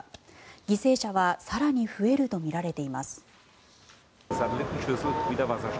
犠牲者は更に増えるとみられています。